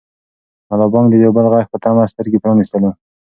ملا بانګ د یو بل غږ په تمه سترګې پرانیستلې.